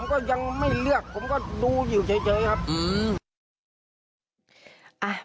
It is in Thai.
ก็ยังไม่เลือกผมก็ดูอยู่เฉยครับอืม